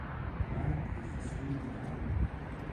The Night Is Still Young